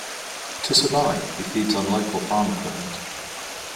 To survive, he feeds on local farm equipment.